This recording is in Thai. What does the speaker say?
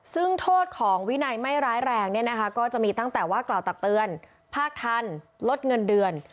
ซึ่งโทษของวินัยไม่ร้ายแรงเนี่ยนะคะก็จะมีตั้งแต่ว่ากล่าวตักเตือนภาคทันลดเงินเดือน